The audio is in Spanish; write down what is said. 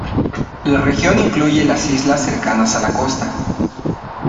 La región incluye las islas cercanas a la costa.